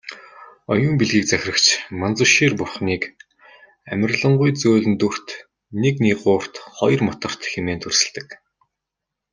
Оюун билгийг захирагч Манзушир бурхныг "амарлингуй зөөлөн дүрт, нэг нигуурт, хоёрт мутарт" хэмээн дүрсэлдэг.